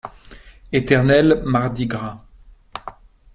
Éternel mardi gras.